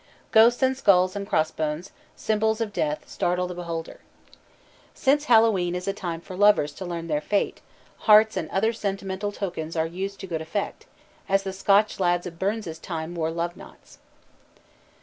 Ghosts and skulls and cross bones, symbols of death, startle the beholder. Since Hallowe'en is a time for lovers to learn their fate, hearts and other sentimental tokens are used to good effect, as the Scotch lads of Burns's time wore love knots.